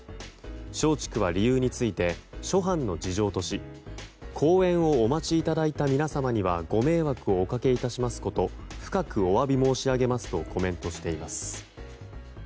松竹は、理由について諸般の事情とし公演をお待ちいただいた皆様にはご迷惑をおかけしますことを深くお詫び申し上げますとコメントしています。